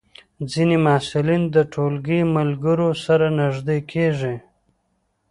ځینې محصلین د ټولګي ملګرو سره نږدې کېږي.